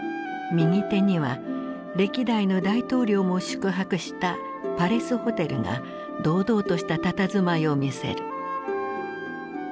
右手には歴代の大統領も宿泊したパレスホテルが堂々としたたたずまいを見せる。